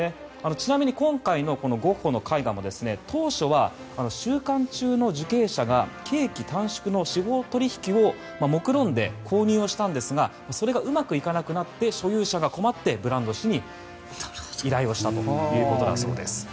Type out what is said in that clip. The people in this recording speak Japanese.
ちなみに今回のゴッホの絵画も当初は収監中の受刑者が刑期短縮の取引をもくろんで購入したんですがそれがうまくいかなくなって所有者が困ってブランド氏に依頼したということだそうです。